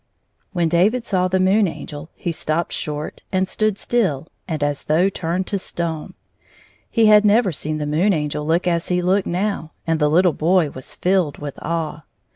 When David saw the Moon Angel he stopped short, and stood still and as though turned to stone. He had never seen the Moon Angel look as he looked now, and the Uttle boy was filled with awe.